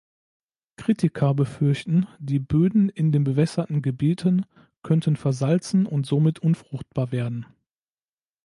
Kritiker befürchten, die Böden in den bewässerten Gebieten könnten versalzen und somit unfruchtbar werden.